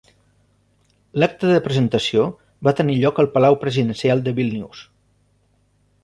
L'acte de presentació va tenir lloc al Palau presidencial de Vílnius.